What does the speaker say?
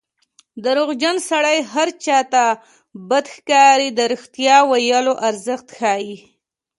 دروغجن سړی هر چا ته بد ښکاري د رښتیا ویلو ارزښت ښيي